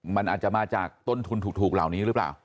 มันอาจจะมาจากต้นทุนถูกเหล่านี้หรือเปล่า